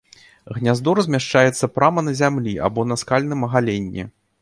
Гняздо размяшчаецца прама на зямлі або на скальным агаленні.